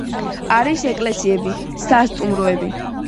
არის ეკლესიები; სასტუმროები.